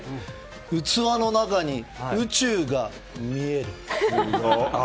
器の中に宇宙が見える。